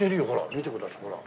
見てくださいほら。